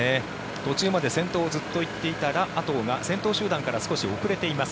途中まで先頭をずっと行っていたラ・アトウが先頭集団から少し遅れています。